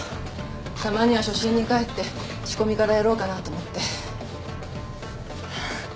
たまには初心に帰って仕込みからやろうかなと思って。